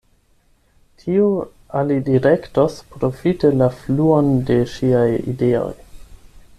Tio alidirektos profite la fluon de ŝiaj ideoj.